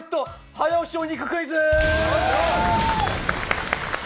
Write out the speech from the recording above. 早押しお肉クイズ！